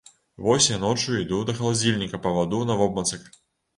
Вось я ноччу іду да халадзільніка па ваду навобмацак.